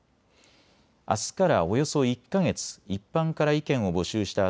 あすからおよそ１か月、一般から意見を募集した